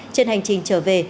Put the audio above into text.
trên hành trình trở về